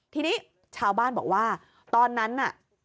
ทีนี้ชาวบ้านบอกว่าตอนนั้นน่ะ